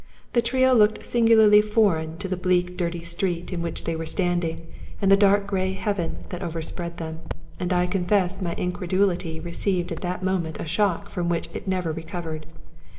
The trio looked singularly foreign to the bleak dirty street in which they were standing and the dark g^ay heaven that overspread them; and I confess my incredulity received at that moment a shock from which it never recovered.